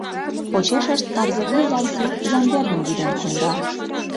Почешышт «Тарзывуй-Янсит» Ямбердым вӱден конда.